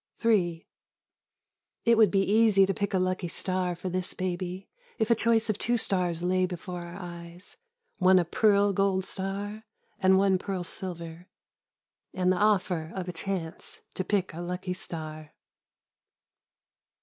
It would be easy to pick a lucky star for this baby If a choice of two stars lay before our eyes, One a pearl gold star and one pearl silver, And the offer of a chance to pick a lucky star.